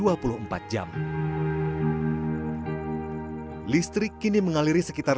kalau misalnya nggak ada listrik saya masak lagi di kompor